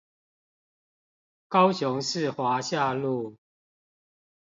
高雄市華夏路